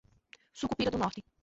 Sucupira do Norte